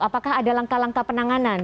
apakah ada langkah langkah penanganan